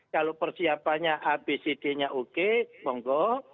kalau persiapannya abcd nya oke monggo